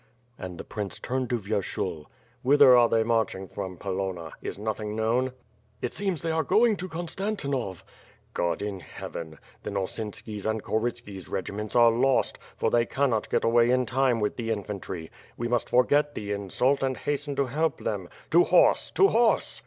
And the prince turned to Vyershul: "Whither are they marching from Polonna? Is nothing known/* WITH FIRE AND t A^ORD. 369 *T[t seems they are going to Konstantinov/' "God in heaven! Then Osinski's and Korytski's regiments are lost, for they cannot get away in time with the infantry. We must forget the insult, and hasten to help them. To horse! To horse!"